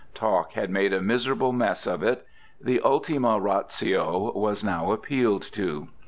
Talk had made a miserable mess of it. The ultima ratio was now appealed to.